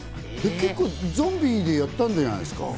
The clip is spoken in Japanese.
結構、ゾンビでやったんじゃないですか？